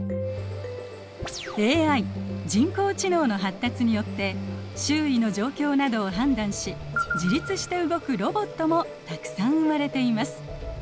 ＡＩ人工知能の発達によって周囲の状況などを判断し自律して動くロボットもたくさん生まれています。